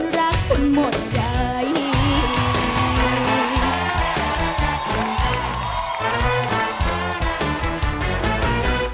รักคุณหมดใจ